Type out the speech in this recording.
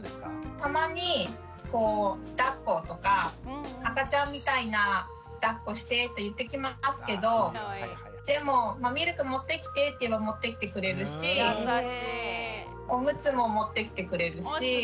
たまに「だっこ」とか赤ちゃんみたいな「だっこして」って言ってきますけどでも「ミルク持ってきて」って言えば持ってきてくれるしおむつも持ってきてくれるし。